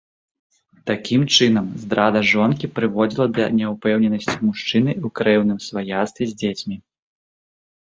Такім чынам, здрада жонкі прыводзіла да няўпэўненасці мужчыны ў крэўным сваяцтве з дзецьмі.